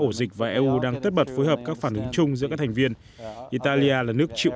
ổ dịch và eu đang tất bật phối hợp các phản ứng chung giữa các thành viên italia là nước chịu